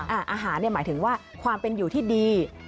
อาหารหมายถึงว่าความเป็นอยู่ที่ดี